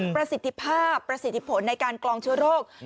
ประสิทธิภาพประสิทธิผลในการกลองเชื้อโรค